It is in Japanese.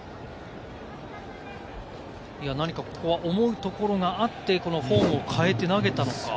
ここは思うところがあって、このフォームを変えて投げたのか。